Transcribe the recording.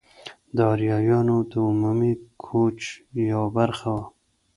د آریایانو د عمومي کوچ یوه برخه وه.